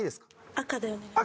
赤でお願いします。